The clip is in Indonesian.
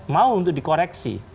mau untuk dikoreksi